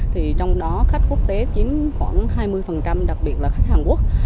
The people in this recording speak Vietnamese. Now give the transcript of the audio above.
trong đó khách quốc tế chính khoảng hai mươi đặc biệt là khách hàn quốc